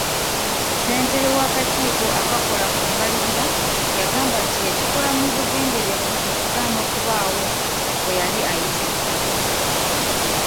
Ssentebe w'akakiiko akakola ku mbalirira yagamba nti yakikola mu bugenderevu okugaana okubaawo bwe yali ayitiddwa.